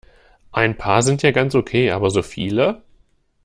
Ein paar sind ja ganz okay, aber so viele?